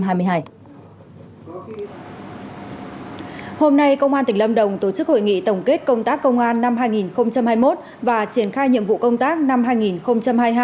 hôm nay công an tỉnh lâm đồng tổ chức hội nghị tổng kết công tác công an năm hai nghìn hai mươi một và triển khai nhiệm vụ công tác năm hai nghìn hai mươi hai